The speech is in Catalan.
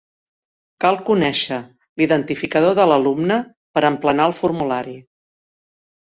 Cal conèixer l'identificador de l'alumne per emplenar el formulari.